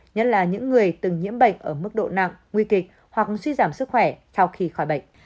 nhất là những người từng nhiễm bệnh ở mức độ nặng nguy kịch hoặc suy giảm sức khỏe sau khi khỏi bệnh